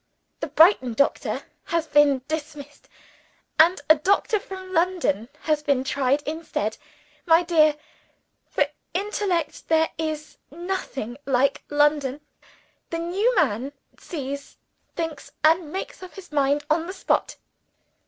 The Brighton doctor has been dismissed; and a doctor from London has been tried instead. My dear! for intellect there is nothing like London. The new man sees, thinks, and makes up his mind on the spot.